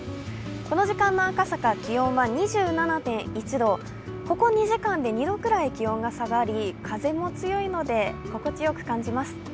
この時間の赤坂気温は２７．１度、ここ２時間で２度くらい気温が下がり風も強いので心地よく感じます。